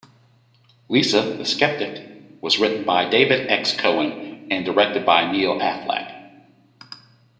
"Lisa the Skeptic" was written by David X. Cohen, and directed by Neil Affleck.